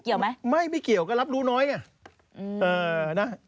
เกี่ยวไหมไม่ไม่เกี่ยวก็รับรู้น้อยไง